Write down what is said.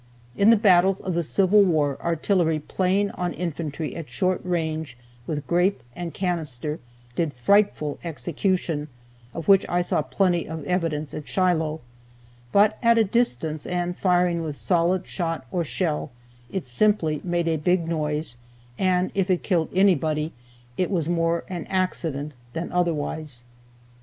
In the battles of the Civil War artillery playing on infantry at short range with grape and canister did frightful execution, of which I saw plenty of evidence at Shiloh; but at a distance, and firing with solid shot or shell, it simply made a big noise, and if it killed anybody, it was more an accident than otherwise.